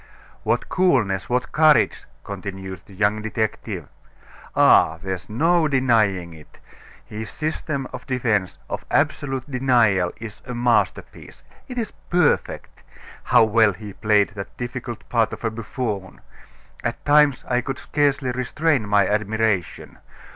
"What coolness, what courage!" continued the young detective. "Ah! there's no denying it, his system of defense of absolute denial is a masterpiece. It is perfect. How well he played that difficult part of buffoon! At times I could scarcely restrain my admiration.